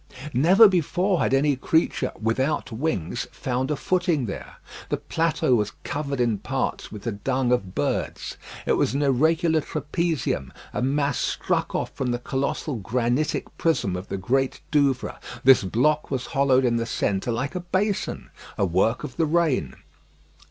Never before had any creature without wings found a footing there. The plateau was covered in parts with the dung of birds. It was an irregular trapezium, a mass struck off from the colossal granitic prism of the Great Douvre. This block was hollowed in the centre like a basin a work of the rain.